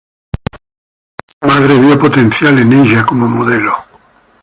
Su madre vio potencial en ella como modelo.